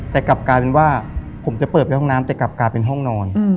แต่กลับกลายเป็นว่าผมจะเปิดไปห้องน้ำแต่กลับกลายเป็นห้องนอน